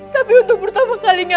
tapi untuk pertama kalinya